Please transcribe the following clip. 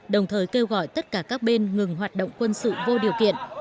đồng thời kêu gọi tất cả các bên ngừng hoạt động quân sự vô điều kiện